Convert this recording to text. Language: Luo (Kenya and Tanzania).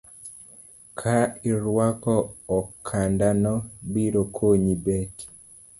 Ka irwako okanda no, biro konyi bet